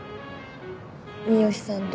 三好さんと。